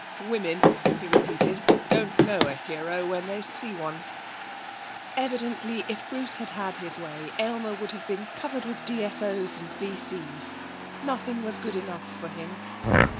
'Women,' he repeated, 'don't know a hero when they see one.' Evidently if Bruce had had his way Aylmer would have been covered with DSO's and VC's; nothing was good enough for him.